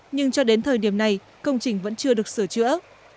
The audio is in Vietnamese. nhưng cho đến thời điểm này công trình vẫn chưa được sửa chữa